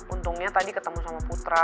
untungnya tadi ketemu sama putra